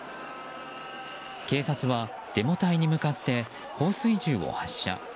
警察はデモ隊に向かって放水銃を発射。